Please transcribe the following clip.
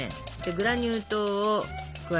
グラニュー糖を加えますよ。